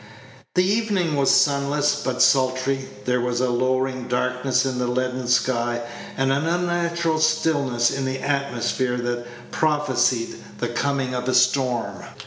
The evening was sunless, but sultry; there was a lowering darkness in the leaden sky, and an unnatural stillness in the atmosphere that prophesied the coming of a storm.